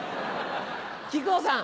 木久扇さん。